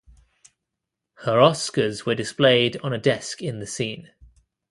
Her Oscars were displayed on a desk in the scene.